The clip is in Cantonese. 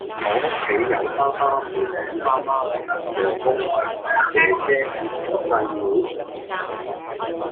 我屋企有爸爸媽媽，哥哥，家姐同細妹